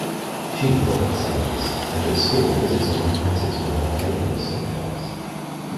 She loved science, and at school physics and mathematics were her favourite subjects